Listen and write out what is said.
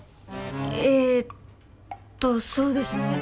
えーっとそうですね。